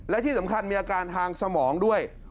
และที่สำคัญมีอาการทางสมองด้วย